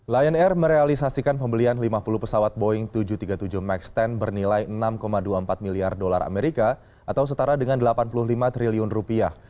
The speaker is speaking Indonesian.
lion air merealisasikan pembelian lima puluh pesawat boeing tujuh ratus tiga puluh tujuh max sepuluh bernilai enam dua puluh empat miliar dolar amerika atau setara dengan delapan puluh lima triliun rupiah